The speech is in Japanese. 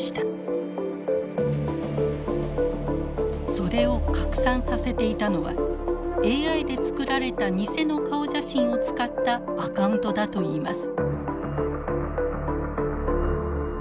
それを拡散させていたのはＡＩでつくられた偽の顔写真を使ったアカウントだといいます。